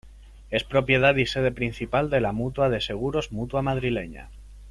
Es propiedad y sede principal de la mutua de seguros Mutua Madrileña.